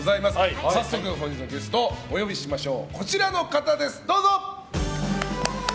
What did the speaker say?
早速、本日のゲストお呼びしましょう。